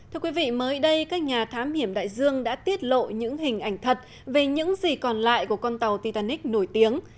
hôm nay các nhà thám hiểm đại dương đã tiết lộ những hình ảnh thật về những gì còn lại của con tàu titanic nổi tiếng